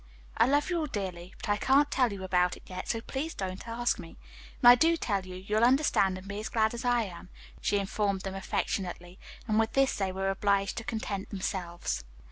"I love you all dearly, but I can't tell you about it yet, so please don't ask me. When I do tell you, you'll understand and be as glad as I am," she informed them affectionately, and with this they were obliged to content themselves.